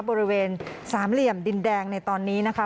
บริเวณสามเหลี่ยมดินแดงในตอนนี้นะคะ